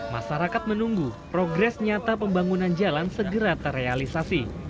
masyarakat menunggu progres nyata pembangunan jalan segera terrealisasi